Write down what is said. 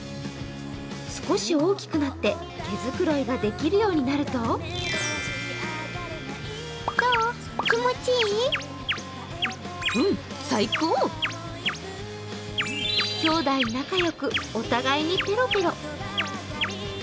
少し大きくなって毛繕いができるようになるときょうだい仲良く、お互いにペロペロ。